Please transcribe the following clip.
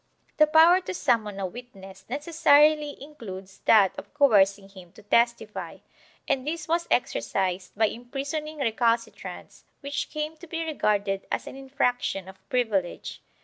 The power to summon a witness necessarily includes that of coercing him to testify, and this was exercised by imprisoning recalcitrants, which came to be regarded as an infraction of privilege.